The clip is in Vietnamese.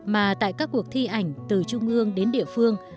mà tại các cuộc thi ảnh từ trung ương đến địa phương